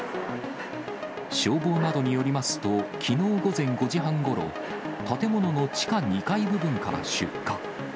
消防などによりますと、きのう午前５時半ごろ、建物の地下２階部分から出火。